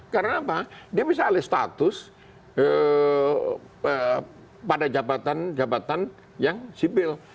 karena apa dia bisa alih status pada jabatan jabatan yang sipil